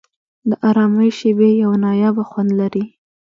د آرامۍ شېبې یو نایابه خوند لري.